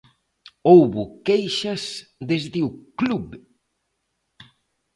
Houbo queixas desde o club.